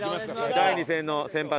第２戦の先発。